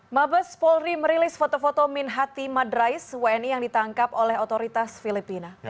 mabes polri merilis foto foto min hati madrais wni yang ditangkap oleh otoritas filipina